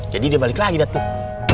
jadi dia balik lagi datuk